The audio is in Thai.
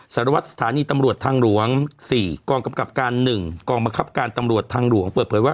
สังหรวะสถานีตำรวจทางหลวงสี่กองกำกัดการนึงกองบังคับการตำรวจทางหลวง